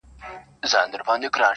د ریا بازار یې بیا رونق پیدا کړ.